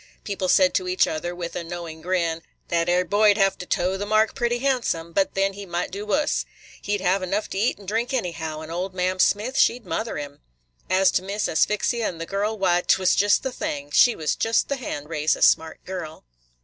People said to each other, with a knowing grin: "That 'ere boy 'd have to toe the mark pretty handsome; but then, he might do wus. He 'd have enough to eat and drink anyhow, and old Ma'am Smith, she 'd mother him. As to Miss Asphyxia and the girl, why, 't was jest the thing. She was jest the hand raise a smart girl."